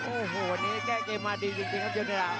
โอ้โหวันนี้แก้เกมมาดีจริงครับโยนกีฬา